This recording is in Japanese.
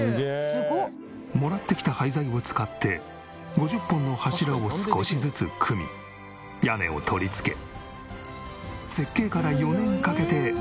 もらってきた廃材を使って５０本の柱を少しずつ組み屋根を取りつけ設計から４年かけて。